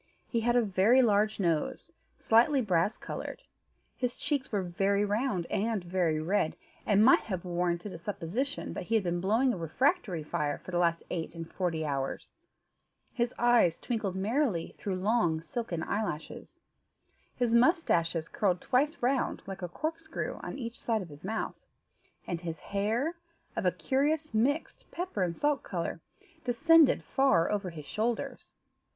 He had a very large nose, slightly brass coloured; his cheeks were very round, and very red, and might have warranted a supposition that he had been blowing a refractory fire for the last eight and forty hours; his eyes twinkled merrily through long silky eyelashes, his moustaches curled twice round like a corkscrew on each side of his mouth, and his hair, of a curious mixed pepper and salt colour, descended far over his shoulders.